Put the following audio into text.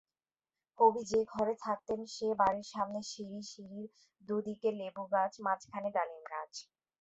কবি যে ঘরে থাকতেন সে বাড়ির সামনে সিঁড়ি, সিঁড়ির দু’দিকে লেবু গাছ, মাঝখানে ডালিম গাছ।